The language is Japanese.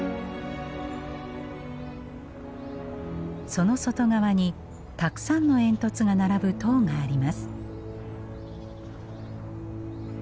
その外側にたくさんの煙突が並ぶ塔があります。